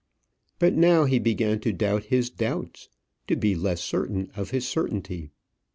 But now he began to doubt his doubts to be less certain of his certainty.